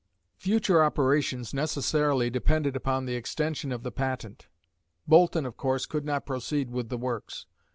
Future operations necessarily depended upon the extension of the patent. Boulton, of course, could not proceed with the works.